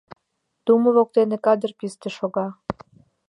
Тумо воктен кадыр писте шога.